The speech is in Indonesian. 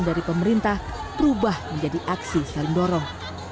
dari pemerintah berubah menjadi aksi saling dorong